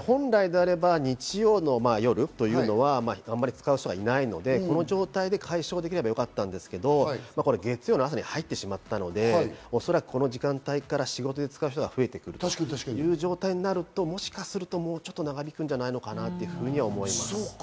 本来であれば、日曜の夜というのはあまり使う人はいないので、この状態で解消できればよかったんですけど、月曜の朝に入ってしまったので、おそらくこの時間帯から仕事で使う人が増えてくるという状態になると、もしかするともうちょっと長引くんじゃないのかなと思います。